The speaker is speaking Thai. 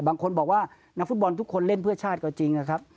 บางคนบอกว่านักฟุตบอลทุกคนเล่นเพื่อชาติก็จริงนะครับ